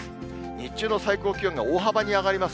日中の最高気温が、大幅に上がります。